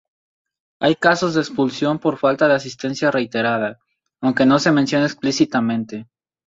Hay casos de expulsión por falta de asistencia reiterada, aunque no se mencione explícitamente.